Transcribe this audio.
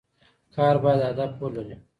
کار باید هدف ولري.